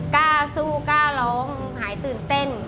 กล้าสู้กล้าร้องหายตื่นเต้น